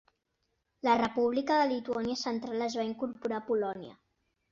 La República de Lituània Central es va incorporar a Polònia.